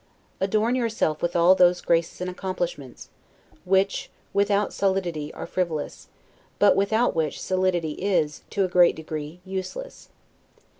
Adorn yourself with all those graces and accomplishments, which, without solidity, are frivolous; but without which solidity is, to a great degree, useless.